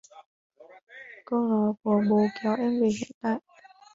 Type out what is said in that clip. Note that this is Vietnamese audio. Câu nói của bố kéo em về hiện tại